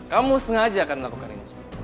kamu sengaja akan melakukan ini